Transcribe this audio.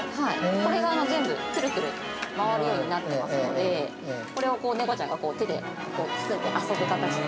◆これが全部くるくる回るようになっていますので、これを猫ちゃんが手で遊ぶ形で。